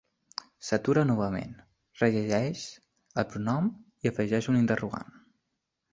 S'atura novament, rellegeix el pronom i hi afegeix un interrogant.